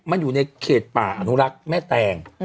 มันอยู่ในเขตป่าอนุรักษ์แม่แตง